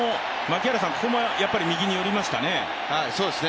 ここも右に寄りましたね。